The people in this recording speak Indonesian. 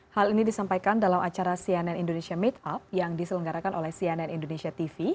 hal ini disampaikan dalam acara cnn indonesia meetup yang diselenggarakan oleh cnn indonesia tv